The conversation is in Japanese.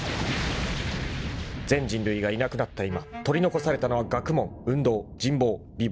［全人類がいなくなった今取り残されたのは学問運動人望美ぼう］